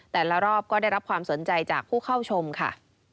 แต่ละรอบก็ได้รับความสนใจจากผู้เข้าชมค่ะ